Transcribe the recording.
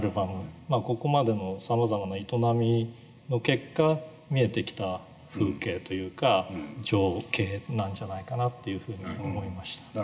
ここまでのさまざまな営みの結果見えてきた風景というか情景なんじゃないかなっていうふうに思いました。